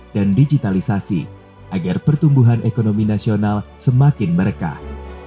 digitalisasi agar pertumbuhan ekonomi nasional semakin merekah